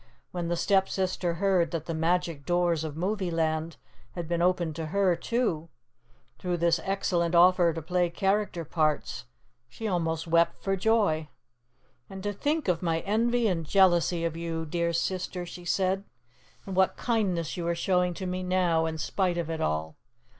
When the Stepsister heard that the magic doors of movie land had been opened to her, too, through this excellent offer to play character parts, she almost wept for joy. "And to think of my envy and jealousy of you, dear Sister," she said, "and what kindness you are showing to me now, in spite of it all!"